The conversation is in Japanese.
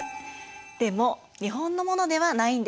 でも日本のものではないんです。